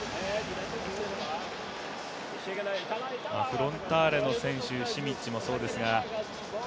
フロンターレの選手、シミッチもそうですが。